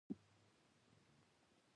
په بله وینا یو شی د چا ګڼي.